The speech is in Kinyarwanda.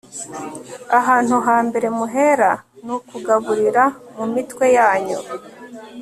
ahantu ha mbere muhera ni ukugaburira mu mitwe yanyu